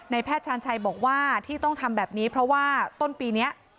แพทย์ชาญชัยบอกว่าที่ต้องทำแบบนี้เพราะว่าต้นปีนี้